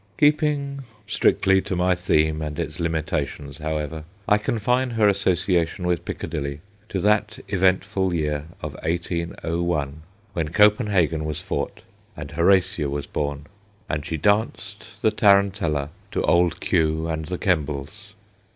Keeping EMMA HAMILTON 191 strictly to my theme and its limitations, however, I confine her association with Pic cadilly to that eventful year of 1801, when Copenhagen was fought, and Horatia was born, and she danced the tarantella to Old Q. and the Kembles.